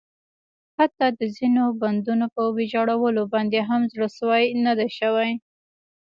حتٰی د ځینو بندونو په ویجاړولو باندې هم زړه سوی نه ده شوی.